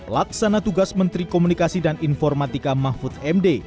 laksana tugas menteri komunikasi dan informatika mahfud md